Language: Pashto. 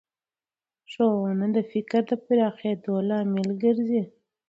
ښوونه د فکر پراخېدو لامل ګرځي